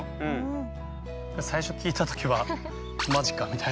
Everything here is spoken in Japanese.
最初聞いた時は「マジか⁉」みたいな。